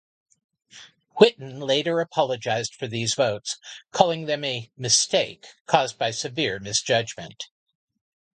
Whitten later apologized for these votes, calling them a "mistake" caused by severe misjudgment.